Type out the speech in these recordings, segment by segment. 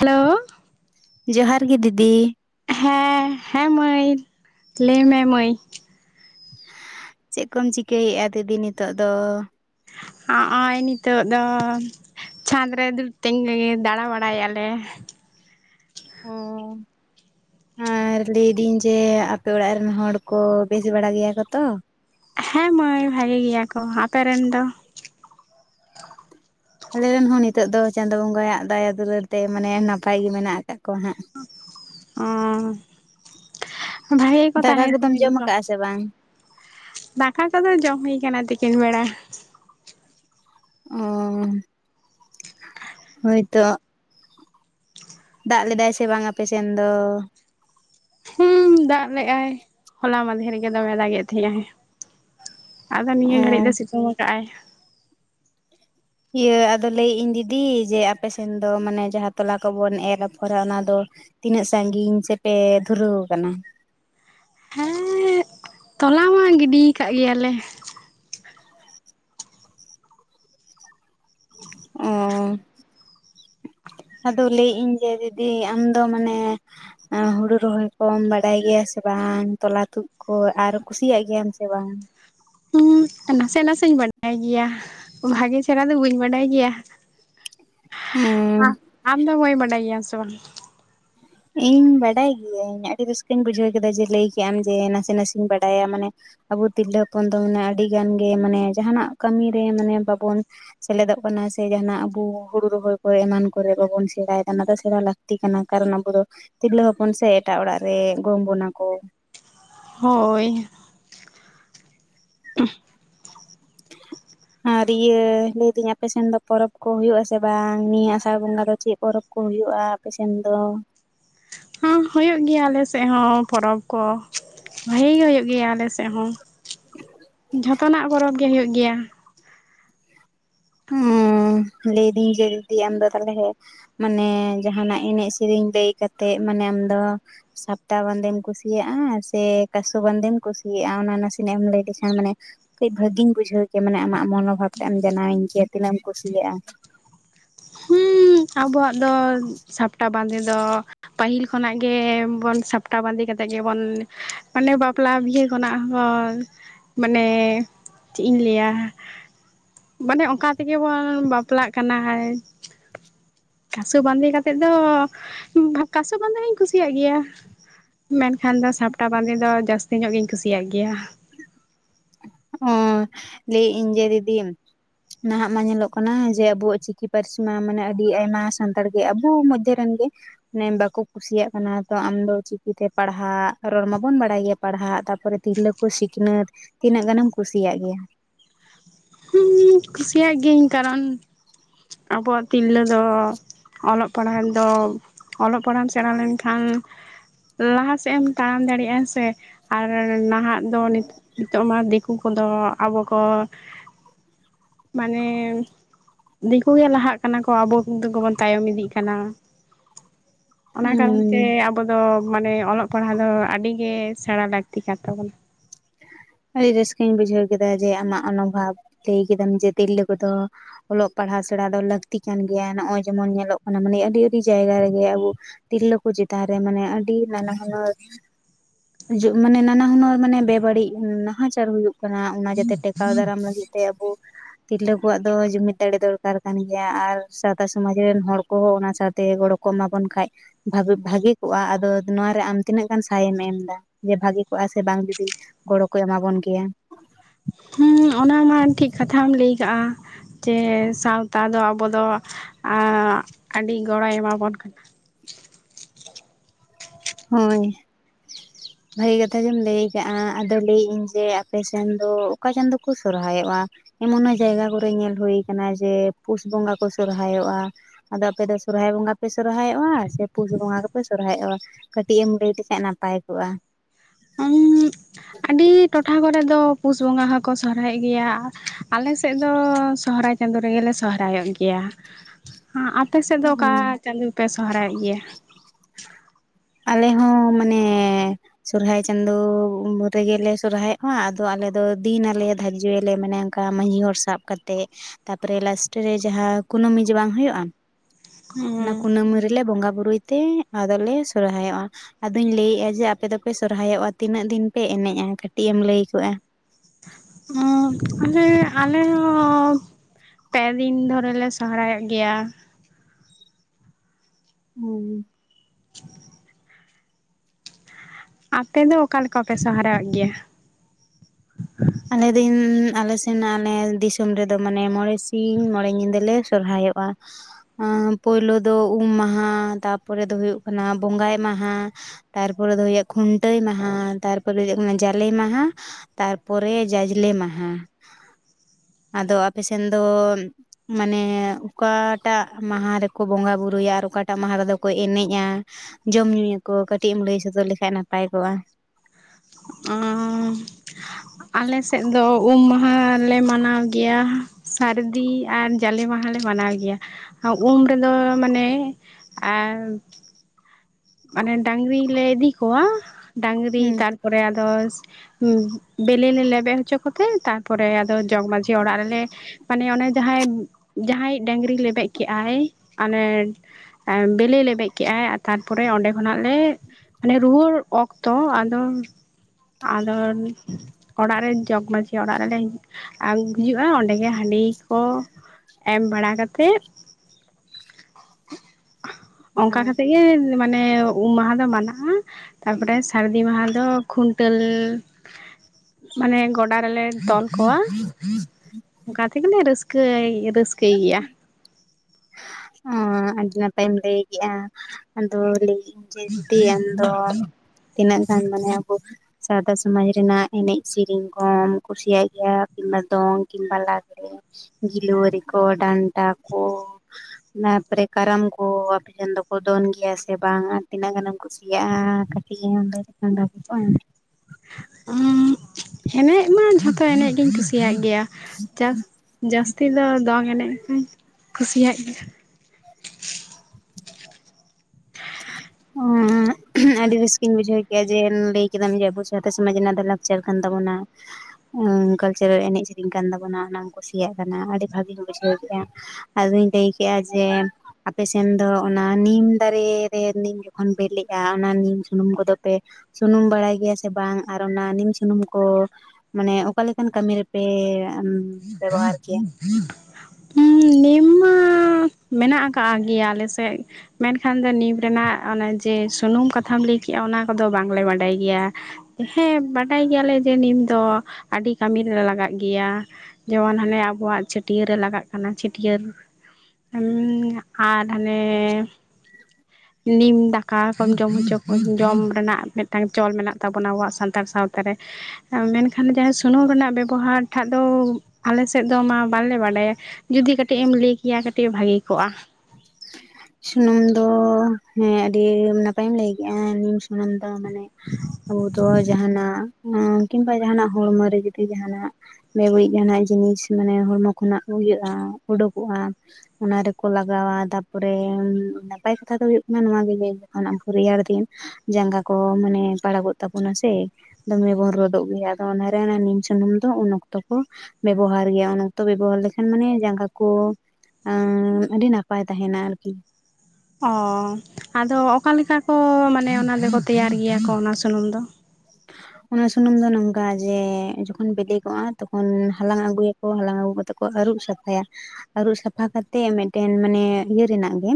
Hello ᱡᱚᱦᱟᱨ ᱜᱤ ᱫᱤᱫᱤ ᱦᱮᱸ ᱦᱮᱸ ᱢᱟᱹᱭ ᱞᱟᱹᱭ ᱢᱮ ᱢᱟᱹᱭ ᱪᱮᱫ ᱠᱚᱢ ᱪᱤᱠᱟᱹᱭᱮᱫᱼᱟ ᱫᱤᱫᱤ ᱱᱤᱛᱳᱜ ᱫᱚ? ᱦᱚᱸᱜ ᱚᱭ ᱱᱤᱛᱚᱜ ᱫᱚ ᱪᱷᱟᱸᱫᱽ ᱨᱮ ᱫᱩᱲᱛᱤᱧ ᱞᱮ ᱫᱟᱬᱟ ᱵᱟᱲᱟᱭ ᱟᱞᱮ ᱦᱩᱸᱻ ᱟᱨ ᱞᱟᱹᱭᱫᱤᱧ ᱡᱮ ᱟᱯᱮ ᱚᱲᱟᱜ ᱨᱮᱱ ᱦᱚᱲ ᱠᱚ ᱵᱮᱥ ᱵᱟᱲᱟ ᱜᱮᱭᱟ ᱠᱚ ᱛᱚ? ᱦᱮᱸ ᱢᱟᱹᱭ ᱵᱷᱟᱜᱤ ᱜᱮᱭᱟ ᱠᱚ ᱟᱯᱮ ᱨᱮᱱ ᱫᱚ? ᱟᱞᱮᱨᱮᱱ ᱦᱚᱸ ᱱᱤᱛᱚᱜ ᱫᱚ ᱪᱟᱸᱫᱳ ᱵᱚᱸᱜᱟᱭᱟᱜ ᱫᱟᱭᱟ ᱫᱩᱞᱟᱹᱲ ᱛᱮ ᱢᱟᱱᱮ ᱱᱟᱯᱟᱭ ᱜᱮ ᱢᱮᱱᱟᱜ ᱟᱠᱟᱫ ᱠᱚᱣᱟ ᱦᱟᱸᱜ ᱚ ᱵᱷᱟᱜᱤ ᱜᱮᱠᱚ ᱫᱟᱠᱟ ᱪᱚᱱᱤᱡ ᱠᱚᱫᱚᱢ ᱡᱚᱢ ᱠᱚ ᱟᱠᱟᱜᱼᱟ ᱥᱮ ᱵᱟᱝ ᱫᱟᱠᱟ ᱠᱚᱫᱚ ᱡᱚᱢ ᱦᱩᱭ ᱟᱠᱟᱱᱟ ᱛᱤᱠᱤᱱ ᱵᱮᱲᱟ ᱚ ᱦᱳᱭᱛᱚ ᱫᱟᱜ ᱞᱮᱫᱟᱭ ᱥᱮ ᱵᱟᱝ ᱟᱯᱮ ᱥᱮᱱ ᱫᱚ? ᱦᱩᱸ ᱫᱟᱜ ᱞᱮᱫᱟᱭ ᱦᱚᱞᱟ ᱢᱟᱫᱷᱮ ᱨᱮᱜᱮ ᱫᱚᱢᱮ ᱞᱟᱜ ᱮᱫ ᱛᱟᱦᱮᱸᱜ ᱟᱭ ᱟᱫᱚ ᱱᱤᱭᱟᱹ ᱚ ᱜᱷᱟᱹᱲᱤᱡ ᱫᱚ ᱥᱤᱛᱩᱝ ᱟᱠᱟᱫᱟᱭ ᱤᱭᱟᱹ ᱟᱫᱚ ᱞᱟᱹᱭᱮᱫ ᱟᱹᱧ ᱫᱤᱫᱤ ᱡᱮ ᱟᱯᱮᱥᱮᱱ ᱫᱚ ᱢᱟᱱᱮ ᱡᱟᱦᱟᱸ ᱛᱚᱞᱟ ᱠᱚᱵᱚᱱ ᱮᱨ ᱟᱯᱷᱚᱨᱟ ᱚᱱᱟ ᱫᱚ ᱛᱤᱱᱟᱹᱜ ᱥᱟᱺᱜᱤᱧ ᱥᱮᱯᱮ ᱫᱷᱩᱨᱟᱹᱣ ᱟᱠᱟᱱᱟ ᱦᱮᱸ ᱛᱚᱞᱟ ᱢᱟ ᱜᱤᱰᱤ ᱟᱠᱟᱫ ᱜᱮᱭᱟᱞᱮ ᱚᱻ ᱟᱫᱚ ᱞᱟᱹᱭᱮᱫ ᱟᱹᱧ ᱡᱮ ᱫᱤᱫᱤ ᱟᱢ ᱫᱚ ᱢᱟᱱᱮ ᱦᱩᱲᱩ ᱨᱚᱦᱚᱭ ᱠᱚᱢ ᱵᱟᱰᱟᱭ ᱜᱮᱭᱟ ᱥᱮ ᱵᱟᱝ ᱛᱚᱞᱟ ᱛᱩᱫ ᱠᱚ ᱟᱨ ᱠᱩᱥᱤᱭᱟᱜ ᱜᱮᱭᱟᱢ ᱥᱮ ᱵᱟᱝ? ᱦᱩᱸ ᱱᱟᱥᱮ ᱱᱟᱥᱮᱧ ᱵᱟᱰᱟᱭ ᱜᱤᱭᱟ ᱵᱷᱟᱜᱮ ᱪᱷᱮᱨᱟ ᱫᱚ ᱵᱟᱹᱧ ᱵᱟᱰᱟᱭ ᱜᱤᱭᱟ ᱾ [inaudible] ᱦᱮᱸ ᱟ ᱟᱢ ᱫᱚ ᱢᱟᱹᱭ ᱵᱟᱰᱟᱭ ᱜᱤᱭᱟᱢ ᱥᱮ ᱵᱟᱝ? ᱤᱧ ᱵᱟᱰᱟᱭ ᱜᱤᱭᱟᱹᱧ ᱟᱹᱰᱤ ᱨᱟᱹᱥᱠᱟᱹᱧ ᱵᱩᱡᱷᱟᱹᱣ ᱠᱮᱫᱟ ᱡᱮ ᱞᱟᱹᱭ ᱠᱮᱜ ᱟᱢ ᱡᱮ ᱱᱟᱥᱮ ᱱᱟᱥᱮᱧ ᱵᱟᱰᱟᱭᱟ ᱢᱟᱱᱮ ᱟᱵᱚ ᱛᱤᱨᱞᱟᱹ ᱦᱚᱯᱚᱱ ᱫᱚ ᱢᱟᱱᱮ ᱟᱹᱰᱤ ᱜᱟᱱ ᱜᱮ ᱢᱟᱱᱮ ᱡᱟᱦᱟᱱᱟᱜ ᱠᱟᱹᱢᱤᱨᱮ ᱢᱟᱱᱮ ᱵᱟᱵᱚᱱ ᱥᱮᱞᱮᱫᱚᱜ ᱠᱟᱱᱟ ᱾ ᱥᱮ ᱡᱟᱦᱱᱟᱜ ᱟᱵᱚ ᱦᱩᱲᱩ ᱨᱚᱦᱚᱭ ᱠᱚᱨᱮ ᱮᱢᱟᱱ ᱠᱚᱨᱮ ᱵᱟᱵᱚᱱ ᱥᱮᱲᱟᱭᱮᱫᱟ ᱚᱱᱟ ᱫᱚ ᱥᱮᱬᱟ ᱞᱟᱹᱠᱛᱤ ᱠᱟᱱᱟ ᱠᱟᱨᱚᱱ ᱟ ᱵᱚ ᱫᱚ ᱛᱤᱨᱞᱟᱹ ᱦᱚᱯᱚᱱ ᱥᱮ ᱮᱴᱟᱜ ᱚᱲᱟᱜ ᱨᱮ ᱜᱚᱝ ᱵᱚᱱᱟ ᱠᱚ ᱦᱳᱭ ᱾ [unintelligible] [inaudible] ᱟᱨ ᱤᱭᱟᱹ ᱞᱟᱹᱭ ᱫᱟᱹᱧ ᱟᱯᱮᱥᱮᱱ ᱫᱚ ᱯᱚᱨᱚᱵᱽ ᱠᱚ ᱦᱩᱭᱩᱜ ᱟᱥᱮ ᱵᱟᱝ ᱱᱤᱭᱟᱹ ᱟᱥᱟᱲ ᱵᱚᱸᱜᱟ ᱫᱚ ᱪᱮᱫ? ᱯᱚᱨᱚᱵᱽ ᱠᱚ ᱦᱩᱭᱩᱜᱼᱟ, ᱟᱯᱮ ᱥᱮᱱ ᱫᱚ? ᱦᱚᱸ ᱦᱳᱭᱳᱜ ᱜᱤᱭᱟ ᱾ ᱟᱞᱮ ᱥᱮᱫ ᱦᱚᱸ ᱯᱚᱨᱚᱵᱽ ᱠᱚ ᱵᱷᱟᱹᱜᱮ ᱜᱮ ᱦᱳᱭᱳᱜ ᱜᱮᱭᱟ ᱟᱞᱮ ᱥᱮᱜ ᱦᱚᱸ ᱡᱷᱚᱛᱚᱱᱟᱜ ᱯᱚᱨᱚᱵᱽ ᱜᱮ ᱦᱳᱭᱳᱜ ᱜᱤᱭᱟ ᱾ ᱩᱸ ᱞᱟᱹᱭᱫᱤᱧ ᱡᱮ ᱫᱤ ᱟᱢ ᱫᱚ ᱛᱟᱞᱦᱮ ᱢᱟᱱᱮ ᱡᱟᱦᱟᱱᱟᱜ ᱮᱱᱮᱡ ᱥᱮᱨᱮᱧ ᱞᱟᱹᱭ ᱠᱟᱛᱮᱜ ᱢᱟᱱᱮ ᱟᱢᱫᱚ ᱥᱟᱯᱴᱟ ᱵᱟᱸᱫᱮᱢ ᱠᱩᱥᱤᱭᱟᱜᱼᱟ, ᱥᱮ ᱠᱟᱥᱳ ᱵᱟᱸᱫᱮᱢ ᱠᱩᱥᱤᱭᱟᱜᱼᱟ, ᱚᱱᱟ ᱱᱟᱥᱮᱱᱟᱜ ᱮᱢ ᱞᱟᱹᱭ ᱞᱮᱠᱷᱟᱱ ᱢᱟᱱᱮ ᱠᱟᱹᱡᱽ ᱵᱷᱟᱹᱜᱤᱧ ᱵᱩᱡᱷᱟᱹᱣ ᱠᱮᱭᱟ ᱢᱟᱱᱮ ᱟᱢᱟᱜ ᱢᱚᱱᱳᱵᱷᱟᱵ ᱴᱟᱜ ᱮᱢ ᱡᱟᱱᱟᱣᱤᱧ ᱠᱮᱭᱟ ᱛᱤᱱᱟᱹᱜ ᱮᱢ ᱠᱩᱥᱤᱭᱟᱜᱼᱟ ᱾ ᱦᱩᱸ ᱟᱵᱚᱣᱟᱜ ᱫᱚ ᱥᱟᱯᱴᱟ ᱵᱟᱸᱫᱮ ᱫᱚ ᱯᱟᱹᱦᱤᱞ ᱠᱷᱚᱱᱟᱜ ᱜᱮᱵᱚᱱ ᱥᱟᱯᱴᱟ ᱵᱟᱸᱫᱮ ᱠᱟᱛᱮᱜ ᱜᱮᱵᱚᱱ ᱢᱟᱱᱮ ᱵᱟᱯᱞᱟ ᱵᱤᱦᱟᱹ ᱠᱷᱚᱱᱟᱜ ᱦᱚᱸ ᱾ ᱢᱟᱱᱮ ᱪᱮᱜ ᱤᱧ ᱞᱟᱹᱭᱟ ᱢᱟᱱᱮ ᱚᱝᱠᱟ ᱛᱮᱜᱮ ᱵᱚᱱ ᱵᱟᱯᱞᱟᱜ ᱠᱟᱱᱟ ᱦᱟᱭ ᱠᱟᱥᱳ ᱵᱟᱸᱫᱮ ᱠᱟᱛᱮᱫ ᱫᱚ ᱠᱟᱥᱳ ᱵᱟᱸᱫᱮ ᱦᱚᱸᱧ ᱠᱩᱥᱤᱭᱟᱜ ᱜᱤᱭᱟ ᱾ ᱢᱮᱱᱠᱷᱟᱱ ᱫᱚ ᱥᱟᱯᱴᱟ ᱵᱟᱸᱫᱮ ᱫᱚ ᱡᱟᱹᱥᱛᱤ ᱧᱚᱜ ᱜᱤᱧ ᱠᱩᱥᱤᱭᱟᱜ ᱜᱮᱭᱟ ᱚ ᱞᱟᱹᱭ ᱤᱧ ᱡᱮ ᱫᱤᱫᱤ ᱱᱟᱦᱟᱜ ᱢᱟ ᱧᱮᱞᱚᱜ ᱠᱟᱱᱟ ᱡᱮ ᱟᱵᱚᱣᱟᱜ ᱪᱤᱠᱤ ᱯᱟᱹᱨᱥᱤ ᱢᱟ ᱢᱟᱱᱮ ᱟᱹᱰᱤ ᱟᱭᱢᱟ ᱥᱟᱱᱛᱟᱲ ᱜᱮ ᱟᱵᱚ ᱢᱚᱫᱽᱫᱷᱮ ᱨᱮᱱ ᱜᱮ ᱢᱟᱱᱮ ᱵᱟᱠᱚ ᱠᱩᱥᱤᱭᱟᱜ ᱠᱟᱱᱟ ᱛᱚ ᱟᱢᱫᱚ ᱪᱤᱠᱤᱛᱮ ᱯᱟᱲᱦᱟᱜ ᱨᱚᱲ ᱢᱟᱵᱚᱱ ᱵᱟᱲᱟᱭ ᱜᱮᱭᱟ ᱯᱟᱲᱦᱟᱜ ᱛᱟᱯᱚᱨᱮ ᱛᱤᱨᱞᱟᱹ ᱠᱚ ᱥᱤᱠᱷᱱᱟᱹᱛ ᱛᱤᱱᱟᱹᱜ ᱜᱟᱱᱮᱢ ᱠᱩᱥᱤᱭᱟᱜ ᱜᱮᱭᱟ? ᱠᱩᱥᱤᱭᱟᱜ ᱜᱤᱭᱟᱹᱧ ᱠᱟᱨᱚᱱ ᱟᱵᱚᱣᱟᱜ ᱛᱤᱨᱞᱟᱹ ᱫᱚ ᱚᱞᱚᱜ ᱯᱟᱲᱦᱟᱜ ᱫᱚ ᱚᱞᱚᱜ ᱯᱟᱲᱦᱟᱜ ᱮᱢ ᱥᱮᱬᱟ ᱞᱮᱱᱠᱷᱟᱱ ᱞᱟᱦᱟᱥᱮᱜ ᱮᱢ ᱛᱟᱲᱟᱢ ᱫᱟᱲᱮᱭᱟᱜᱼᱟ ᱥᱮ ᱟᱨ ᱱᱟᱦᱟᱜ ᱫᱚ ᱱᱤᱛ ᱱᱤᱛᱚᱜ ᱢᱟ ᱫᱮᱠᱩ ᱠᱚᱫᱚ ᱟᱵᱚ ᱠᱚ ᱢᱟᱱᱮ ᱫᱮᱠᱩ ᱜᱮ ᱞᱟᱦᱟᱜ ᱠᱟᱱᱟ ᱠᱚ ᱟᱵᱚ ᱫᱚᱵᱚᱱ ᱛᱟᱭᱚᱢ ᱤᱫᱤᱜ ᱠᱟᱱᱟ ᱾ [inaudible] ᱚᱱᱟ ᱠᱟᱨᱚᱱ ᱛᱮ ᱟᱵᱚ ᱫᱚ ᱢᱟᱱᱮ ᱚᱞᱚᱜ ᱯᱟᱲᱦᱟᱣ ᱫᱚ ᱟᱹᱰᱤᱜᱮ ᱥᱮᱬᱟ ᱞᱟᱹᱠᱛᱤ ᱠᱟᱱ ᱛᱟᱵᱚᱱᱟ ᱾ ᱟᱹᱰᱤ ᱨᱟᱹᱥᱠᱟᱹᱧ ᱵᱩᱡᱷᱟᱹᱣ ᱠᱮᱫᱟ ᱡᱮ ᱟᱢᱟᱜ ᱚᱱᱩᱵᱷᱟᱵᱽ ᱞᱟᱹᱭ ᱠᱮᱫᱟᱢ ᱡᱮ ᱛᱤᱨᱞᱟᱹ ᱠᱚᱫᱚ ᱚᱞᱚᱜ ᱯᱟᱲᱦᱟᱜ ᱥᱮᱬᱟ ᱫᱚ ᱞᱟᱹᱠᱛᱤ ᱠᱟᱱ ᱜᱤᱭᱟ ᱱᱚᱜᱼᱚᱭ ᱡᱮᱢᱚᱱ ᱧᱮᱞᱚᱜ ᱠᱟᱱᱟ ᱢᱟᱱᱮ ᱟᱹᱰᱤ ᱟᱹᱰᱤ ᱡᱟᱭᱜᱟ ᱨᱮᱜᱮ ᱟᱵᱩ ᱛᱤᱨᱞᱟᱹ ᱠᱚ ᱪᱮᱛᱟᱱ ᱨᱮ ᱢᱟᱱᱮ ᱟᱹᱰᱤ ᱱᱟᱱᱟ ᱦᱩᱱᱟᱹᱨ ᱡᱳ ᱢᱟᱱᱮ ᱱᱟᱱᱟ ᱦᱩᱱᱟᱹᱨ ᱢᱟᱱᱮ ᱵᱮ ᱵᱟᱹᱲᱤᱡ ᱱᱟᱦᱟᱪᱟᱨ ᱦᱩᱭᱩᱜ ᱠᱟᱱᱟ ᱚᱱᱟ ᱡᱟᱛᱮ ᱴᱮᱠᱟᱣ ᱫᱟᱨᱟᱢ ᱞᱟᱹᱜᱤᱫ ᱛᱮ ᱟᱵᱚ ᱛᱤᱨᱞᱟᱹ ᱠᱚᱣᱟᱜ ᱫᱚ ᱡᱩᱢᱤᱫ ᱫᱟᱲᱮ ᱫᱚᱨᱠᱟᱨ ᱠᱟᱱ ᱜᱤᱭᱟ ᱟᱨ ᱥᱟᱶᱛᱟ ᱥᱚᱢᱟᱡᱽ ᱨᱮᱱ ᱦᱚᱲ ᱠᱚᱦᱚᱸ ᱚᱱᱟ ᱥᱟᱶᱛᱮ ᱜᱚᱲᱚ ᱠᱚ ᱮᱢᱟᱵᱚᱱ ᱠᱷᱟᱡᱽ ᱵᱷᱟᱜᱮ ᱵᱷᱟᱜᱮ ᱠᱚᱜᱼᱟ ᱟᱫᱚ ᱱᱚᱣᱟ ᱨᱮ ᱟᱢ ᱛᱤᱱᱟᱹᱜ ᱜᱟᱱ ᱥᱟᱭᱮᱢ ᱮᱢ ᱫᱟ? ᱡᱮ ᱵᱷᱟᱜᱮ ᱠᱚᱜᱼᱟ ᱥᱮ ᱵᱟᱝ ᱡᱩᱫᱤ ᱜᱚᱲᱚ ᱠᱚ ᱮᱢᱟᱵᱚᱱ ᱠᱮᱭᱟ? ᱦᱩᱸ ᱚᱱᱟ ᱢᱟ ᱴᱷᱤᱠ ᱠᱟᱛᱷᱟᱢ ᱞᱟᱹᱭ ᱠᱟᱜᱼᱟ ᱾ ᱡᱮ ᱥᱟᱶᱛᱟ ᱫᱚ ᱟᱵᱚᱫᱚ ᱟᱹᱰᱤ ᱜᱚᱲᱚᱭ ᱮᱢᱟᱵᱚᱱ ᱠᱟᱱᱟ ᱾ ᱦᱳᱭ ᱾ ᱵᱷᱟᱹᱜᱤ ᱠᱟᱛᱷᱟ ᱜᱮᱢ ᱞᱟᱹᱭ ᱟᱠᱟᱜᱼᱟ, ᱟᱫᱚ ᱞᱟᱹᱭ ᱟᱹᱧ ᱡᱮ ᱟᱯᱮᱥᱮᱱ ᱫᱚ ᱚᱠᱟ ᱪᱟᱸᱫᱳ ᱠᱚ ᱥᱚᱨᱦᱟᱭᱚᱜᱼᱟ? ᱮᱢᱚᱱᱟᱜ ᱡᱟᱭᱜᱟ ᱠᱚᱨᱮᱜ ᱧᱮᱞ ᱦᱳᱭ ᱠᱟᱱᱟ ᱡᱮ ᱯᱩᱥ ᱵᱚᱸᱜᱟ ᱠᱚ ᱥᱚᱨᱦᱟᱭᱚᱜᱼᱟ ᱾ ᱟᱫᱚ ᱟᱯᱮ ᱫᱚ ᱥᱚᱨᱦᱟᱭ ᱵᱚᱸᱜᱟ ᱯᱮ ᱥᱚᱨᱦᱟᱭᱚᱜᱼᱟ ᱥᱮ ᱯᱩᱥ ᱵᱚᱸᱜᱟ ᱜᱮᱯᱮ ᱥᱚᱨᱦᱟᱭᱚᱜᱼᱟ ᱾ ᱠᱟᱹᱴᱤᱡ ᱮᱢ ᱞᱮᱭ ᱞᱮᱠᱷᱟᱡ ᱱᱟᱯᱟᱭ ᱠᱚᱜᱼᱟ ᱱᱤ ᱴᱚᱴᱷᱟ ᱠᱚᱨᱮ ᱫᱚ ᱯᱩᱥ ᱵᱚᱸᱜᱟ ᱦᱚᱠᱚ ᱥᱚᱦ ᱚᱜ ᱜᱮᱭᱟ ᱟᱞᱮᱥᱮᱫ ᱫᱚ ᱥᱚᱦᱚᱨᱟᱭ ᱪᱟᱸᱫᱳ ᱨᱮᱜᱮ ᱥᱚᱦᱨᱟᱭᱚᱜ ᱜᱮᱭᱟ ᱟᱸ ᱟᱯᱮ ᱥᱮᱫ ᱫᱚ ᱚᱠᱟ ᱪᱟᱸᱫᱳ ᱯᱮ ᱥᱚᱦᱨᱟᱭᱚᱜ ᱜᱮᱭᱟ ᱟᱞᱮ ᱦᱚᱸ ᱢᱟᱱᱮ ᱥᱚᱨᱦᱟᱭ ᱪᱟᱸᱫᱚ ᱨᱮᱜᱮ ᱞᱮ ᱥᱚᱨᱦᱟᱭᱚᱜᱼᱟ ᱟᱫᱚ ᱟᱞᱮ ᱫᱚ ᱫᱤᱱ ᱟᱞᱮ ᱫᱷᱟᱡᱽᱡᱚᱭᱟᱞᱮ ᱢᱟᱱᱮ ᱚᱱᱠᱟ ᱢᱟᱺᱡᱷᱤ ᱦᱚᱲ ᱥᱟᱵ ᱠᱟᱛᱮᱜ ᱛᱟᱯᱚᱨᱮ ᱞᱟᱥᱴᱮ ᱨᱮ ᱡᱟᱦᱟᱸ ᱠᱩᱱᱟᱹᱢᱤ ᱡᱮ ᱵᱟᱝ ᱦᱳᱭᱳᱜᱼᱟ ᱚᱱᱟ ᱠᱩᱱᱟᱹᱢᱤ ᱨᱮᱞᱮ ᱵᱚᱸᱜᱟ ᱵᱩᱨᱩᱭ ᱛᱮ ᱟᱫᱚᱞᱮ ᱥᱚᱨᱦᱟᱭᱚᱜᱼᱟ ᱟᱫᱚᱧ ᱞᱟᱹᱭᱮᱜᱼᱟ ᱡᱮ ᱟᱯᱮ ᱫᱚᱯᱮ ᱥᱚᱨᱦᱟᱭᱚᱜᱼᱟ ᱛᱤᱱᱟᱹᱜ ᱫᱤᱱ ᱯᱮ ᱮᱱᱮᱡᱼᱟ ᱠᱟᱹᱴᱤᱡ ᱮᱢ ᱞᱟᱹᱭᱠᱚᱜᱼᱟ [inaudible] ᱟᱞᱮ ᱦᱚᱸ ᱯᱮ ᱫᱤᱱ ᱫᱷᱚᱨᱮᱞᱮ ᱥᱚᱦᱚᱨᱟᱭᱚᱜ ᱜᱤᱭᱟ ᱾ [inaudible] ᱟᱯᱮ ᱫᱚ ᱚᱠᱟᱞᱮᱠᱟ ᱯᱮ ᱥᱚᱦᱚᱨᱟᱭᱚᱜ ᱜᱤᱭᱟ? ᱟᱞᱮ ᱫᱤᱱ ᱟᱞᱮ ᱥᱮᱱᱟᱜ ᱟᱞᱮ ᱫᱤᱥᱚᱢ ᱨᱮᱫᱚ ᱢᱟᱱᱮ ᱢᱚᱬᱮ ᱥᱤᱧ ᱢᱚᱬᱮ ᱧᱤᱫᱟᱹᱞᱮ ᱥᱚᱨᱦᱟᱭᱚᱜᱼᱟ ᱯᱳᱭᱞᱳ ᱫᱚ ᱩᱢ ᱢᱟᱦᱟ ᱛᱟᱨᱯᱚᱨᱮ ᱫᱚ ᱦᱳᱭᱳᱜ ᱠᱟᱱᱟ ᱵᱚᱸᱜᱟᱭ ᱢᱟᱦᱟ ᱛᱟᱨᱯᱚᱨᱮ ᱫᱚ ᱦᱳᱭᱳᱜᱼᱟ ᱠᱷᱩᱱᱴᱟᱹᱣ ᱢᱟᱦᱟ ᱛᱟᱨᱯᱚᱨᱮ ᱦᱳᱭᱳᱜ ᱠᱟᱱᱟ ᱡᱟᱞᱮ ᱢᱟᱦᱟ ᱛᱟᱨ ᱯᱚᱨᱮ ᱡᱟᱡᱽᱞᱮ ᱢᱟᱦᱟ ᱟᱫᱚ ᱟᱯᱮ ᱥᱮᱱ ᱫᱚ ᱢᱟᱱᱮ ᱚᱠᱟᱴᱟᱜ ᱢᱟᱦᱟ ᱨᱮᱠᱚ ᱵᱚᱸᱜᱟ ᱵᱩᱨᱩᱭᱟ ᱟᱨ ᱚᱠᱟᱴᱟᱜ ᱢᱟᱦᱟ ᱨᱮᱫᱚ ᱠᱚ ᱮᱱᱮᱡᱼᱟ ᱡᱚᱢ ᱧᱩᱭᱟᱠᱚ ᱠᱟᱹᱴᱤᱡ ᱮᱢ ᱞᱟᱹᱭ ᱥᱚᱫᱚᱨ ᱞᱮᱠᱷᱟᱡ ᱱᱟᱯᱟᱭ ᱠᱚᱜᱼᱟ ᱟᱞᱮ ᱥᱮᱫ ᱫᱚ ᱩᱢ ᱢᱟᱦᱟᱞᱮ ᱢᱟᱱᱟᱣ ᱜᱮᱭᱟ ᱥᱟᱨᱫᱤ ᱟᱨ ᱡᱟᱞᱮ ᱢᱟᱦᱟᱞᱮ ᱢᱟᱱᱟᱣ ᱜᱮᱭᱟ ᱩᱢ ᱨᱮᱫᱚ ᱢᱟᱱᱮ ᱟᱨ ᱚᱱᱮ ᱰᱟᱝᱨᱤᱞᱮ ᱤᱫᱤ ᱠᱚᱣᱟ ᱰᱟᱝᱨᱤ ᱦᱮᱸ ᱛᱟᱨᱯᱚᱨᱮ ᱟᱫᱚᱥ ᱵᱮᱞᱮ ᱞᱮ ᱞᱮᱵᱮᱫ ᱦᱚᱪᱚ ᱠᱚᱛᱮ ᱛᱟᱨᱯᱚᱨᱮ ᱟᱫᱚ ᱡᱚᱜᱽ ᱢᱟᱺᱡᱷᱤ ᱚᱲᱟᱜ ᱨᱮᱞᱮ ᱢᱟᱱᱮ ᱚᱱᱮ ᱡᱟᱦᱟᱸᱭ ᱡᱟᱦᱟᱸᱭᱤᱡ ᱰᱟᱝᱨᱤ ᱞᱮᱵᱮᱫ ᱠᱮᱜ-ᱟᱭ ᱟᱱᱮ ᱵᱮᱞᱮ ᱞᱮᱵᱮᱫ ᱠᱮᱜᱼᱟᱭ ᱟᱨ ᱛ [inaudible] ᱛᱟᱨᱯᱚᱨᱮ ᱚᱸᱰᱮ ᱠᱷᱚᱱᱟᱜ ᱞᱮ ᱢᱟᱱᱮ ᱨᱩᱣᱟᱹᱲ ᱚᱠᱛᱚ ᱟᱫᱚ ᱟᱫᱚ ᱚᱲᱟᱜ ᱨᱮ ᱡᱚᱜᱽ ᱢᱟᱺᱡᱷᱤ ᱚᱲᱟᱜ ᱨᱮᱞᱮ ᱟᱹᱜᱩ ᱦᱩᱭᱩᱜᱼᱟ ᱚᱸᱰᱮᱜᱮ ᱦᱟᱺᱰᱤ ᱠᱚ ᱮᱢ ᱵᱟᱲᱟ ᱠᱟᱛᱮᱫ ᱚᱱᱠᱟ ᱦᱮᱸ ᱠᱟᱛᱮ ᱜᱮ ᱢᱟᱱᱮ ᱩᱢ ᱢᱟᱦᱟ ᱫᱚ ᱢᱟᱱᱟᱜᱼᱟ ᱛᱟᱨᱯᱚᱨᱮ ᱥᱟᱹᱨᱫᱤ ᱢᱟᱦᱟ ᱫᱚ ᱠᱷᱩᱱᱴᱟᱹᱞ ᱢᱟᱱᱮ ᱜᱚᱰᱟ ᱨᱮᱞᱮ ᱛᱚᱞ ᱠᱚᱣᱟ ᱚᱱᱠᱟ ᱛᱮᱜᱮᱞᱮ ᱨᱟᱹᱥᱠᱟᱹᱭ ᱨᱟᱹᱥᱠᱟᱹᱭ ᱜᱮᱭᱟ ᱚᱸ ᱟᱹᱰᱤ ᱱᱟᱯᱟᱭᱮᱢ ᱞᱟᱹᱭ ᱠᱮᱜᱼᱟ ᱟᱫᱚ ᱞᱟᱹᱭᱮᱜ ᱡᱩᱫᱤ [unintelligible] ᱟᱢᱫᱚ ᱛᱤᱱᱟᱹᱜ ᱜᱟᱱ ᱢᱟᱱᱮ ᱟᱵᱚ ᱥᱟᱶᱛᱟ ᱥᱚᱢᱟᱡᱽ ᱨᱮᱱᱟᱜ ᱮᱱᱮᱡ ᱥᱤᱨᱤᱧ ᱠᱚᱢ ᱠᱩᱥᱤᱭᱟᱜ ᱜᱮᱭᱟ ᱠᱤᱝᱵᱟ ᱫᱚᱝ ᱠᱤᱝᱵᱟ ᱞᱟᱜᱽᱲᱮ ᱜᱤᱞᱳᱣᱟᱹᱨᱤ ᱠᱚ ᱰᱟᱱᱴᱟ ᱠᱚ ᱛᱟᱯᱚᱨᱮ ᱠᱟᱨᱟᱢ ᱠᱚ ᱟᱯᱮ ᱥᱮᱱ ᱫᱚᱠᱚ ᱫᱚᱱ ᱜᱮᱭᱟ ᱥᱮ ᱵᱟᱝᱟ ᱛᱤᱱᱟᱹᱜ ᱜᱟᱱᱮᱢ ᱠᱩᱥᱤᱭᱟᱜᱼᱟ [inaudible] ᱚᱢ ᱮᱱᱮᱡ ᱢᱟ ᱡᱷᱚᱛᱚ ᱮᱱᱮᱡ ᱜᱤᱧ ᱠᱩᱥᱤᱭᱟᱜ ᱜᱮᱭᱟ ᱡᱟᱥ ᱡᱟᱹᱥᱛᱤ ᱫᱚ ᱫᱚᱝ ᱮᱱᱮᱡ ᱠᱩᱧ ᱠᱩᱥᱤᱭᱟᱜ ᱜᱮᱭᱟ ᱚᱸ ᱟᱹᱰᱤ ᱨᱟᱹᱥᱠᱟᱹᱧ ᱵᱩᱡᱷᱟᱹᱣ ᱠᱮᱜᱼᱟ ᱡᱮ ᱞᱟᱹᱭ ᱠᱮᱫᱟᱢ ᱡᱮ ᱟᱵᱚ ᱥᱟᱶᱛᱟ ᱥᱚᱢᱟᱡᱽ ᱨᱮᱱᱟᱜ ᱫᱚ ᱞᱟᱠᱪᱟᱨ ᱠᱟᱱ ᱛᱟᱵᱚᱱᱟ ᱠᱟᱞᱪᱟᱨᱟᱞ ᱮᱱᱮᱡ ᱥᱮᱨᱮᱧ ᱠᱟᱱ ᱛᱟᱵᱚᱱᱟ ᱚᱱᱟᱢ ᱠᱩᱥᱤᱭᱟᱜ ᱠᱟᱱᱟ ᱟᱹᱰᱤ ᱵᱷᱟᱹᱜᱤᱧ ᱵᱩᱡᱷᱟᱹᱣ ᱠᱮᱜᱼᱟ ᱟᱫᱚᱧ ᱞᱟᱹᱭᱠᱮᱜᱼᱟ ᱡᱮ ᱟᱯᱮᱥᱮᱱ ᱫᱚ ᱚᱱᱟ ᱱᱤᱢ ᱫᱟᱨᱮ ᱨᱮ ᱱᱤᱢ ᱡᱚᱠᱷᱚᱱ ᱵᱮᱞᱮᱜᱼᱟ ᱚᱱᱟ ᱱᱤᱢ ᱥᱩᱱᱩᱢ ᱠᱚᱫᱚ ᱯᱮ ᱥᱩᱱᱩᱢ ᱵᱟᱲᱟᱭ ᱜᱮᱭᱟ ᱥᱮ ᱵᱟᱝ ᱟᱨ ᱚᱱᱟ ᱱᱤᱢ ᱥᱩᱱᱩᱢ ᱠᱚ ᱢᱟᱱᱮ ᱚᱠᱟᱞᱮᱠᱟᱱ ᱠᱟᱹᱢᱤ ᱨᱮᱯᱮ ᱵᱮᱵᱚᱦᱟᱨ ᱜᱮᱭᱟ ᱩᱢ ᱞᱮᱭᱢᱮ [unintelligible] ᱢᱮᱱᱟᱜ ᱠᱟᱜ ᱜᱮᱭᱟ ᱟᱞᱮ ᱥᱮᱫ ᱢᱮᱱᱠᱷᱟᱱ ᱫᱚ ᱱᱤᱢ ᱨᱮᱱᱟᱜ ᱚᱱᱟ ᱡᱮ ᱥᱩᱱᱩᱢ ᱠᱟᱛᱷᱟᱢ ᱞᱟᱹᱭ ᱠᱮᱜᱼᱟ ᱚᱱᱟ ᱠᱚᱫᱚ ᱵᱟᱝᱞᱮ ᱵᱟᱰᱟᱭ ᱜᱮᱭᱟ ᱦᱮᱸ ᱵᱟᱰᱟᱭ ᱜᱮᱭᱟᱞᱮ ᱡᱮ ᱱᱤᱢ ᱫᱚ ᱟᱹᱰᱤ ᱠᱟᱹᱢᱤ ᱨᱮ ᱞᱟᱜᱟᱜ ᱜᱮᱭᱟ ᱡᱮᱢᱚᱱ ᱦᱟᱱᱮ ᱟᱵᱚᱣᱟᱜ ᱪᱷᱟᱹᱴᱤᱭᱟᱹᱨᱮ ᱞᱟᱜᱟᱜ ᱠᱟᱱᱟ ᱪᱷᱟᱹᱴᱤᱭᱟᱹᱨ ᱦᱩᱸ ᱟᱨ ᱦᱟᱱᱮ [unintelligible] ᱱᱤᱢ ᱫᱟᱠᱟ ᱠᱚᱢ ᱡᱚᱢ ᱦᱚᱪᱚ ᱡᱚᱢ ᱨᱮᱱᱟᱜ ᱢᱤᱫᱴᱟᱝ ᱪᱚᱞ ᱢᱮᱱᱟᱜ ᱛᱟᱵᱚᱱᱟ ᱟᱵᱚᱣᱟᱜ ᱥᱟᱱᱛᱟᱲ ᱥᱟᱶᱛᱟ ᱨᱮ ᱢᱮᱱᱠᱷᱟᱱ ᱡᱟᱦᱟᱸ ᱥᱩᱱᱩᱢ ᱨᱮᱱᱟᱜ ᱵᱮᱵᱚᱦᱟᱨ ᱴᱷᱟᱜ ᱫᱚ ᱟᱞᱮ ᱥᱮᱫ ᱫᱚ ᱢᱟ ᱵᱟᱞᱮ ᱵᱟᱰᱟᱭᱟ ᱡᱩᱫᱤ ᱠᱟᱹᱴᱤᱡ ᱮᱢ ᱞᱟᱹᱭ ᱠᱮᱭᱟ ᱠᱟᱹᱴᱤᱡ ᱵᱷᱟᱹᱜᱤ ᱠᱚᱜᱼᱟ ᱥᱩᱱᱩᱢ ᱫᱚ ᱦᱮᱸ ᱟᱹᱰᱤ ᱱᱟᱯᱟᱭᱮᱢ ᱞᱟᱹᱭ ᱠᱮᱫᱼᱟ ᱱᱤᱢ ᱚᱱᱚᱱᱫᱚ [unintelligible] ᱢᱟᱱᱮ ᱟᱵᱚ ᱫᱚ ᱡᱟᱦᱟᱱᱟᱜ ᱚᱸᱻ ᱠᱤᱢᱵᱟ ᱡᱟᱦᱟᱱᱟᱜ ᱦᱩᱲᱩᱢᱟᱨᱤᱡ ᱡᱩᱫᱤ ᱡᱟᱦᱟᱱᱟᱜ ᱵᱮ ᱵᱟᱹᱲᱤᱡ ᱡᱟᱦᱟᱱᱟᱜ ᱡᱤᱱᱤᱥ ᱢᱟᱱᱮ ᱦᱚᱲᱢᱚ ᱠᱷᱚᱱᱟᱜ ᱦᱩᱭᱟᱹᱜᱼᱟ ᱳᱰᱳᱠᱚᱜᱼᱟ ᱚᱱᱟ ᱨᱮᱠᱚ ᱞᱟᱜᱟᱣᱟ ᱛᱟᱯᱚᱨᱮ ᱱᱟᱯᱟᱭ ᱠᱟᱛᱷᱟ ᱫᱚ ᱦᱩᱭᱩᱜ ᱠᱟᱱᱟ ᱱᱚᱣᱟ ᱜᱮ ᱞᱟᱹᱭ ᱡᱮᱠᱷᱚᱱ ᱩᱱᱠᱩ ᱨᱮᱭᱟᱲ ᱫᱤᱱ ᱡᱟᱸᱜᱟ ᱠᱚ ᱢᱟᱱᱮ ᱯᱟᱲᱟᱜᱚᱜ ᱛᱟᱵᱚᱱᱟ ᱥᱮ ᱫᱚᱢᱮ ᱵᱚᱱ ᱨᱚᱫᱚᱜ ᱜᱮᱭᱟ ᱟᱫᱚ ᱚᱱᱟᱨᱮ ᱱᱤᱢ ᱥᱩᱱᱩᱢ ᱫᱚ ᱩᱱ ᱚᱠᱛᱚ ᱠᱚ ᱵᱮᱵᱚᱦᱟᱨ ᱜᱮᱭᱟ ᱩᱱ ᱚᱠᱛᱚ ᱵᱮᱵᱚᱦᱟᱨ ᱞᱮᱠᱷᱟᱱ ᱢᱟᱱᱮ ᱡᱟᱸᱜᱟ ᱠᱚ ᱟᱹᱰᱤ ᱱᱟᱯᱟᱭ ᱛᱟᱦᱮᱸᱱᱟ ᱟᱨᱠᱤ ᱚ ᱟᱫᱚ ᱚᱠᱟᱞᱮᱠᱟ ᱠᱚ ᱢᱟᱱᱮ ᱚᱱᱟ ᱫᱚ ᱠᱚ ᱛᱮᱭᱟᱨ ᱜᱮᱭᱟ ᱠᱚ ᱚᱱᱟ ᱥᱩᱱᱩᱢ ᱫᱚ [unintelligible] ᱚᱱᱟ ᱥᱩᱱᱩᱢ ᱫᱚ ᱱᱚᱝᱠᱟ ᱡᱮ ᱡᱚᱠᱷᱚᱱ ᱵᱤᱞᱤᱠᱚᱜᱼᱟ ᱛᱚᱠᱷᱚᱱ ᱦᱟᱞᱟᱝ ᱟᱹᱜᱩᱭᱟᱠᱚ ᱦᱟᱞᱟᱝ ᱟᱹᱜᱩ ᱠᱟᱛᱮ ᱠᱚ ᱟᱹᱨᱩᱵ ᱥᱟᱯᱷᱟᱭᱟ ᱟᱹᱨᱩᱵ ᱥᱟᱯᱷᱟ ᱠᱟᱛᱮᱜ ᱢᱤᱫᱴᱮᱱ ᱢᱟᱱᱮ ᱤᱭᱟᱹ ᱨᱮᱱᱟᱜ ᱜᱮ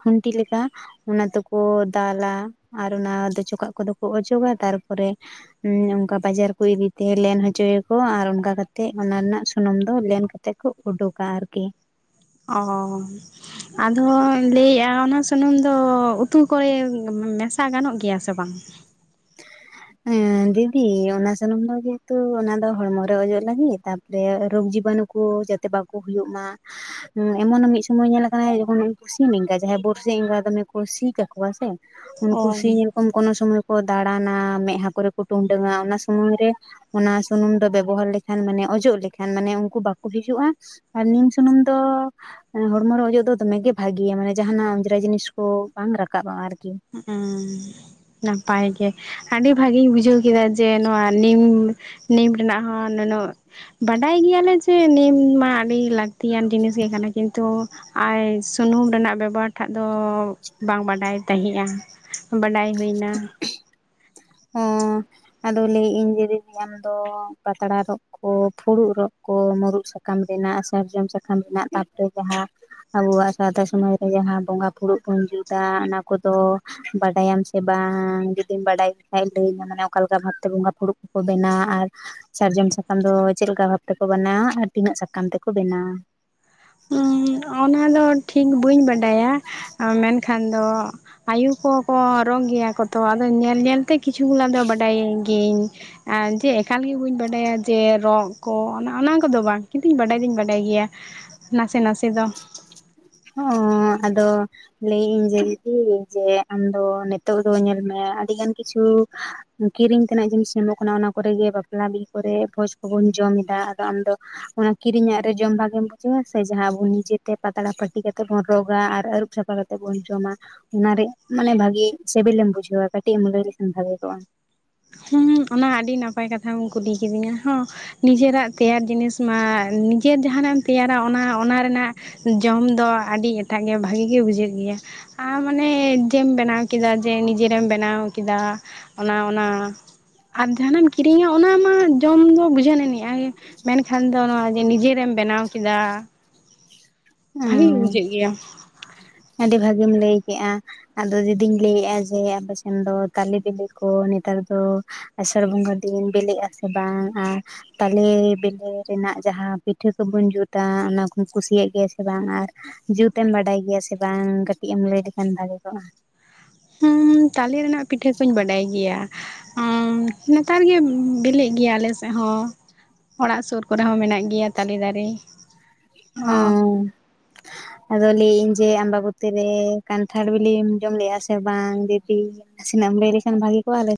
ᱠᱷᱩᱱᱴᱤ ᱞᱮᱠᱟ ᱚᱱᱟ ᱛᱚᱠᱚ ᱫᱟᱹᱞᱟ ᱟᱨ ᱚᱱᱟ ᱫᱚ ᱪᱚᱠᱟᱜ ᱠᱚᱫᱚ ᱠᱚ ᱚᱪᱚᱜᱟ ᱛᱟᱨᱯᱚᱨᱮ ᱚᱱᱠᱟ ᱵᱟᱡᱟᱨ ᱠᱚ ᱤᱫᱤᱛᱮ ᱞᱮᱱ ᱦᱚᱪᱚᱭᱟᱠᱚ ᱟᱨ ᱚᱱᱠᱟ ᱠᱟᱛᱮᱜ ᱚᱱᱟ ᱨᱮᱱᱟᱜ ᱥᱩᱱᱩᱢ ᱫᱚ ᱞᱮᱱ ᱠᱟᱛᱮᱫ ᱠᱚ ᱩᱰᱩᱠᱟ ᱟᱨ ᱠᱤ ᱚᱸ ᱚᱸ ᱚᱸ ᱟᱫᱚᱧ ᱞᱟᱹᱭᱮᱜ-ᱟ ᱚᱱᱟ ᱥᱩᱱᱩᱢ ᱫᱚ ᱩᱛᱩ ᱠᱚᱨᱮ ᱢᱮᱥᱟ ᱜᱟᱱᱚᱜ ᱜᱮᱭᱟ ᱥᱮ ᱵᱟᱝ ᱦᱮᱸ ᱫᱤᱫᱤ ᱚᱱᱟ ᱥᱩᱱᱩᱢ ᱫᱚ ᱡᱮᱦᱮᱛᱩ ᱚᱱᱟ ᱫᱚ ᱦᱚᱲᱢᱚᱨᱮ ᱚᱡᱚᱜ ᱞᱟᱹᱜᱤᱫ ᱫᱮ ᱨᱚᱜᱽ ᱡᱤᱵᱟᱱᱩ ᱠᱚ ᱡᱟᱛᱮ ᱵᱟᱠᱚ ᱦᱩᱭᱩᱜ ᱢᱟ ᱮᱢᱚᱱ ᱦᱚᱸ ᱢᱤᱫ ᱥᱚᱢᱚᱭ ᱧᱮᱞ ᱠᱟᱱᱟ ᱡᱚᱠᱷᱚᱱ ᱩᱱᱠᱩ ᱥᱤᱢ ᱮᱸᱜᱟ ᱡᱟᱦᱟᱸᱭ ᱵᱚᱨᱥᱤ ᱮᱸᱜᱟ ᱫᱚᱢᱮ ᱠᱚ ᱥᱤ ᱠᱟᱠᱚᱣᱟ ᱥᱮ ᱩᱱᱠᱩ ᱚ ᱥᱮᱭᱨᱚᱠᱚᱢ ᱠᱚᱱᱚ ᱥᱚᱢᱚᱭ ᱠᱚ ᱫᱟᱬᱟᱱᱟ ᱢᱮᱫᱦᱟ ᱠᱚᱨᱮ ᱠᱚ ᱴᱩᱰᱟᱹᱝᱟ ᱚᱱᱟ ᱥᱚᱢᱚᱭ ᱨᱮ ᱚᱱᱟ ᱥᱩᱱᱩᱢ ᱫᱚ ᱵᱮᱵᱚᱦᱟᱨ ᱞᱮᱠᱷᱟᱱ ᱢᱟᱱᱮ ᱚᱡᱚᱜ ᱞᱮᱠᱷᱟᱱ ᱢᱟᱱᱮ ᱩᱱᱠᱩ ᱵᱟᱠᱚ ᱦᱤᱡᱩᱜᱼᱟ ᱟᱨ ᱱᱤᱢ ᱥᱩᱱᱩᱢ ᱫᱚ ᱢᱟᱱᱮ ᱦᱚᱲᱢᱚ ᱨᱮ ᱚᱡᱚᱜ ᱫᱚ ᱫᱚᱢᱮ ᱜᱮ ᱵᱷᱟᱜᱮᱭᱟ ᱢᱟᱱᱮ ᱡᱟᱦᱟᱱᱟᱜ ᱚᱸᱡᱽᱨᱟ ᱡᱤᱱᱤᱥ ᱠᱚ ᱵᱟᱝ ᱨᱟᱠᱟᱵᱼᱟ ᱟᱨᱠᱤ ᱦᱚᱸᱜ ᱚᱸ ᱱᱟᱯᱟᱭ ᱜᱮ ᱟᱹᱰᱤ ᱵᱷᱟᱹᱜᱮᱧ ᱵᱩᱡᱷᱟᱹᱣ ᱠᱮᱫᱟ ᱡᱮ ᱱᱚᱣᱟ ᱱᱤᱢ ᱱᱤᱢ ᱨᱮᱱᱟᱜ ᱦᱚᱸ ᱱᱩᱱᱟᱹᱜ ᱵᱟᱰᱟᱭ ᱜᱮᱭᱟᱞᱮ ᱡᱮ ᱱᱤᱢ ᱢᱟ ᱟᱹᱰᱤ ᱞᱟᱹᱠᱛᱤᱭᱟᱱ ᱡᱤᱱᱤᱥ ᱜᱮ ᱠᱟᱱᱟ ᱠᱤᱱᱛᱩ ᱟᱭ ᱥᱩᱱᱩᱢ ᱨᱮᱱᱟᱜ ᱵᱮᱵᱚᱦᱟᱨ ᱴᱷᱟᱜ ᱫᱚ ᱵᱟᱝ ᱵᱟᱰᱟᱭ ᱛᱟᱦᱮᱸᱜᱼᱟ ᱵᱟᱰᱟᱭ ᱦᱩᱭᱱᱟ ᱦᱚᱸ ᱟᱫᱚ ᱞᱟᱹᱭ ᱤᱧ ᱡᱮ ᱫᱤᱫᱤ ᱟᱢᱫᱚ ᱯᱟᱛᱲᱟ ᱨᱚᱜ ᱠᱚ ᱯᱷᱩᱲᱩᱜ ᱨᱚᱜ ᱠᱚ ᱢᱩᱨᱩᱫ ᱥᱟᱠᱟᱢ ᱨᱮᱱᱟᱜ ᱥᱟᱨᱡᱚᱢ ᱥᱟᱠᱟᱢ ᱨᱮᱱᱟᱜ ᱛᱟᱯᱚᱨᱮ ᱡᱟᱦᱟᱸ ᱟᱵᱚᱣᱟᱜ ᱥᱟᱶᱛᱟ ᱥᱚᱢᱟᱡᱽᱨᱮ ᱡᱟᱦᱟᱸ ᱵᱚᱸᱜᱟ ᱯᱷᱩᱲᱩᱜ ᱵᱚᱱ ᱡᱩᱛᱟ ᱚᱱᱟ ᱠᱚᱫᱚ ᱵᱟᱰᱟᱭᱟᱢ ᱵᱟᱝ ᱡᱩᱫᱤᱢ ᱵᱟᱰᱟᱭ ᱞᱮᱠᱷᱟᱡ ᱞᱟᱹᱭ ᱢᱮ ᱢᱟᱱᱮ ᱚᱠᱟᱞᱮᱠᱟ ᱵᱷᱟᱵᱽᱛᱮ ᱵᱚᱸᱜᱟ ᱯᱷᱩᱲᱩᱜ ᱠᱚᱠᱚ ᱵᱮᱱᱟᱣᱟ ᱟᱨ ᱥᱟᱨᱡᱚᱢ ᱥᱟᱠᱟᱢ ᱫᱚ ᱪᱮᱫ ᱞᱮᱠᱟ ᱵᱷᱟᱵᱽ ᱛᱮ ᱠᱚ ᱵᱮᱱᱟᱣᱟ ᱟᱨ ᱛᱤᱱᱟᱹᱜ ᱥᱟᱠᱟᱢ ᱛᱮ ᱠᱚ ᱵᱮᱱᱟᱣᱟ ᱚᱱᱟ ᱫᱚ ᱴᱷᱤᱠ ᱵᱟᱹᱧ ᱵᱟᱰᱟᱭᱟ ᱢᱮᱱᱠᱷᱟᱱ ᱫᱚ ᱟᱭᱳ ᱠᱚ ᱠᱚ ᱨᱚᱜ ᱜᱮᱭᱟ ᱠᱚ ᱛᱚ ᱟᱫᱚ ᱧᱮᱞ ᱧᱮᱞ ᱛᱮ ᱠᱤᱪᱷᱩ ᱜᱩᱞᱟᱱ ᱫᱚ ᱵᱟᱰᱟᱭ ᱜᱤᱭᱟᱹᱟᱹᱧ ᱟᱨ ᱡᱮ ᱮᱠᱟᱞ ᱵᱟᱹᱧ ᱵᱟᱰᱟᱭᱟ ᱡᱮ ᱨᱚᱜ ᱠᱚ ᱚᱱᱟ ᱠᱚᱫᱚ ᱵᱟᱝ ᱠᱤᱱᱛᱩ ᱵᱟᱰᱟᱭ ᱫᱚᱧ ᱵᱟᱰᱟᱭ ᱜᱮᱭᱟ ᱱᱟᱥᱮ ᱱᱟᱥᱮ ᱫᱚ ᱦᱚᱸ ᱟᱫᱚ ᱞᱟᱹᱭᱮᱫ ᱟᱧ ᱡᱮ ᱫᱤᱫᱤ ᱡᱮ ᱟᱢ ᱫᱚ ᱱᱤᱛᱚᱜ ᱫᱚ ᱧᱮᱞ ᱢᱮ ᱟᱹᱰᱤᱜᱟᱱ ᱠᱤᱪᱷᱩ ᱠᱤᱨᱤᱧ ᱛᱮᱱᱟᱜ ᱡᱤᱱᱤᱥ ᱧᱟᱢᱚᱜ ᱠᱟᱱᱟ ᱚᱱᱟ ᱠᱚᱨᱮᱜᱮ ᱵᱟᱯᱞᱟ ᱵᱤᱦᱟᱹ ᱠᱚᱨᱮᱜ ᱵᱷᱚᱡ ᱠᱚᱵᱚᱱ ᱡᱚᱢ ᱮᱫᱟ ᱟᱫᱚ ᱟᱢᱫᱚ ᱚᱱᱟ ᱠᱤᱨᱤᱧᱟᱜ ᱨᱮ ᱡᱚᱢ ᱵᱷᱟᱜᱮᱢ ᱵᱩᱡᱷᱟᱹᱣᱟ ᱥᱮ ᱡᱟᱦᱟᱸ ᱟᱵᱚ ᱱᱤᱡᱮ ᱛᱮ ᱯᱟᱛᱲᱟ ᱯᱟᱹᱴᱤ ᱠᱟᱛᱮ ᱵᱚᱱ ᱨᱚᱜᱟ ᱟᱨ ᱟᱹᱨᱩᱵ ᱥᱟᱯᱷᱟ ᱠᱟᱛᱮ ᱵᱚᱱ ᱡᱚᱢᱟ᱾ ᱚᱱᱟᱨᱮ ᱢᱟᱱᱮ ᱵᱷᱟᱜᱤ ᱥᱤᱵᱤᱞᱮᱢ ᱵᱩᱡᱷᱟᱹᱣᱟ ᱠᱟᱹᱴᱤᱡ ᱮᱢ ᱞᱟᱹᱭ ᱞᱮᱠᱷᱟᱱ ᱵᱷᱟᱜᱮ ᱠᱚᱜᱼᱟ? ᱦᱩᱸ ᱚᱱᱟ ᱟᱹᱰᱤ ᱱᱟᱯᱟᱭ ᱠᱟᱛᱷᱟᱢ ᱠᱩᱞᱤ ᱠᱤᱫᱤᱧᱟ ᱦᱚᱸ ᱱᱤᱡᱮᱨᱟᱜ ᱛᱮᱭᱟᱨ ᱡᱤᱱᱤᱥ ᱢᱟ ᱱᱤᱡᱮᱨ ᱡᱟᱦᱟᱱᱟᱜ ᱮᱢ ᱛᱮᱭᱟᱨᱟ ᱚᱱᱟ ᱚᱱᱟ ᱨᱮᱱᱟᱜ ᱡᱚᱢ ᱫᱚ ᱟᱹᱰᱤ ᱮᱴᱟᱜ ᱜᱮ ᱵᱷᱟᱹᱜᱤ ᱜᱮ ᱵᱩᱡᱷᱟᱹᱜ ᱜᱮᱭᱟ᱾ ᱟ ᱢᱟᱱᱮ ᱡᱦᱮᱢ ᱵᱮᱱᱟᱣ ᱠᱮᱫᱟ ᱡᱮ ᱱᱤᱡᱮᱨᱮᱢ ᱵᱮᱱᱟᱣ ᱠᱮᱫᱟ ᱚᱱᱟ ᱚᱱᱟ ᱟᱢ ᱡᱟᱦᱟᱸᱱᱟᱜ ᱮᱢ ᱠᱤᱨᱤᱧᱟ ᱚᱱᱟ ᱢᱟ ᱡᱚᱢ ᱫᱚ ᱵᱩᱡᱷᱟᱹᱣ [inaudible] ᱢᱮᱱᱠᱷᱟᱱ ᱫᱚ ᱡᱮ ᱱᱤᱡᱮᱨᱮᱢ ᱵᱮᱱᱟᱣ ᱠᱮᱫᱟ ᱵᱷᱟᱹᱜᱮ ᱵᱩᱡᱷᱟᱹᱜ ᱚ ᱜᱮᱭᱟ᱾ ᱟᱹᱰᱤ ᱵᱷᱟᱹᱜᱤᱢ ᱞᱟᱹᱭ ᱠᱮᱜᱼᱟ᱾ ᱟᱫᱚ ᱫᱤᱫᱤᱧ ᱞᱟᱹᱭᱮᱫᱼᱟ ᱡᱮ ᱟᱯᱮ ᱥᱮᱱ ᱫᱚ ᱛᱟᱞᱮ ᱵᱤᱞᱤ ᱠᱚ ᱱᱮᱛᱟᱨ ᱫᱚ ᱟᱥᱟᱲ ᱵᱚᱸᱜᱟ ᱫᱤᱱ ᱵᱤᱞᱤᱜ ᱟᱥᱮ ᱵᱟᱝᱼᱟ? ᱛᱟᱞᱮ ᱵᱮᱞᱮ ᱨᱮᱱᱟᱜ ᱡᱟᱦᱟᱸ ᱯᱤᱴᱷᱟᱹ ᱠᱚᱵᱚᱱ ᱡᱩᱛᱟ ᱚᱱᱟ ᱠᱚ ᱠᱩᱥᱤᱭᱟᱜ ᱜᱮᱭᱟ ᱥᱮ ᱵᱟᱝ ᱟᱨ? ᱡᱩᱛ ᱮᱢ ᱵᱟᱰᱟᱭ ᱜᱮᱭᱟ ᱥᱮ ᱵᱟᱝ? ᱠᱟᱹᱴᱤᱡ ᱮᱢ ᱞᱟᱹᱭ ᱞᱮᱠᱷᱟᱱ ᱵᱷᱟᱜᱮ ᱠᱚᱜᱼᱟ᱾ ᱛᱟᱞᱮ ᱨᱮᱱᱟᱜ ᱯᱤᱴᱷᱟᱹ ᱠᱚᱧ ᱵᱟᱰᱟᱭ ᱜᱮᱭᱟ᱾ ᱱᱮᱛᱟᱨ ᱜᱮ ᱵᱤᱞᱤᱜ ᱜᱮᱭᱟ ᱟᱞᱮ ᱥᱮᱫ ᱦᱚᱸ ᱚᱲᱟᱜ ᱥᱩᱨ ᱠᱚᱨᱮ ᱦᱚᱸ ᱢᱮᱱᱟᱜ ᱜᱮᱭᱟ ᱛᱟᱞᱮ ᱫᱟᱨᱮ ᱦᱚᱸ [unintelligible] ᱟᱫᱚ ᱞᱟᱹᱭ ᱮᱫ ᱤᱧ ᱡᱮ ᱟᱢᱵᱟᱵᱚᱛᱤ ᱨᱮ ᱠᱟᱱᱴᱷᱟᱲ ᱵᱤᱞᱤᱢ ᱡᱚᱢ ᱞᱮᱼᱟ ᱥᱮ ᱵᱟᱝ ᱫᱤᱫᱤ ᱱᱟᱥᱮᱱᱟᱜ ᱮᱢ ᱞᱟᱹᱭ ᱞᱮᱠᱷᱟᱱ ᱵᱷᱟᱜᱤ ᱠᱚᱜᱼᱟ ᱟᱞᱮ